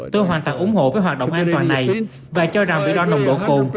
tôi hoàn toàn ủng hộ với hoạt động an toàn này và cho rằng bị đo nồng độ cồn